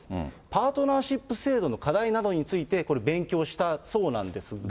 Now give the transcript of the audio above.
パートナーシップ制度の課題などについて、これ、勉強したそうなんですが。